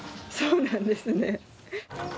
そうなんですね。